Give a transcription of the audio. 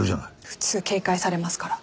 普通警戒されますから。